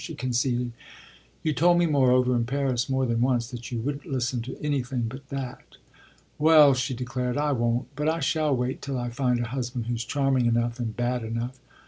she conceded. "You told me, moreover, in Paris more than once that you wouldn't listen to anything but that." "Well," she declared, "I won't, but I shall wait till I find a husband who's charming enough and bad enough.